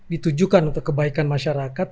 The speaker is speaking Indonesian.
ditujukan untuk kebaikan masyarakat